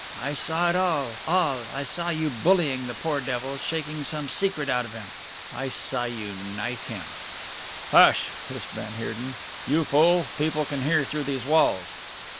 "I saw it all, all, I saw you bullying the poor devil, shaking some secret out of him, I saw you knife him " "Hush!" hissed van Heerden. "You fool people can hear through these walls."